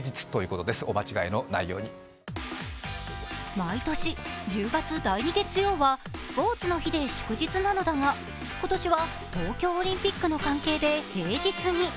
毎年１０月第２月曜はスポーツの日で祝日なのだが今年は東京オリンピックの関係で平日に。